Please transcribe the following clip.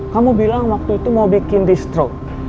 kamu bilang waktu itu mau bikin distroke